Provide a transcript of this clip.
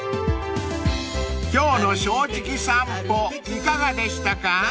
［今日の『正直さんぽ』いかがでしたか？］